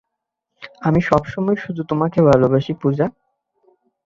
আমি সবসময় শুধু তোমাকে ভালবাসি, পূজা।